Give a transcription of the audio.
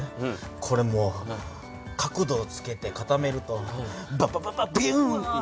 これもう角度をつけて固めるとババババビューンっていう。